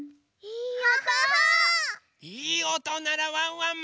・いいおとならワンワン